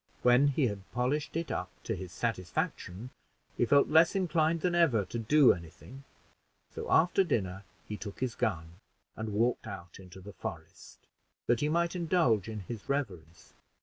When he had polished it up to his satisfaction, he felt less inclined than ever to do any thing; so after dinner he took his gun and walked out into the forest that he might indulge in his reveries.